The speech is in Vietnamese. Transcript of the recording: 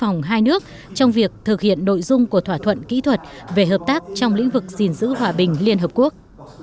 hồng hai nước trong việc thực hiện nội dung của thỏa thuận kỹ thuật về hợp tác trong lĩnh vực gìn giữ hòa bình liên hợp quốc